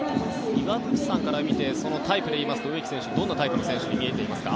岩渕さんから見てタイプでいいますと植木選手はどんなタイプの選手に見えていますか？